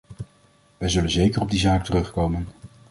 Wij zullen zeker op die zaak terugkomen.